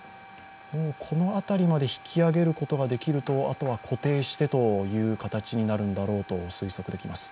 この辺りまで引き揚げることができるとあとは固定してという形になるんだろうと推測できます。